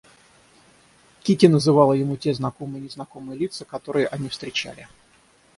Кити называла ему те знакомые и незнакомые лица, которые они встречали.